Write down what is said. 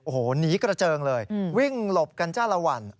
โอ้โหหนีกระเจิงเลยวิ่งหลบกันจ้าละวัน